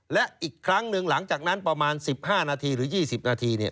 และอีกครั้งหนึ่งหลังจากนั้นประมาณ๑๕นาทีหรือ๒๐นาที